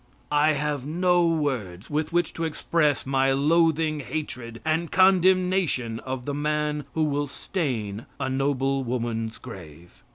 I have no words with which to express my loathing hatred and condemnation of the man who will stain a noble woman's grave.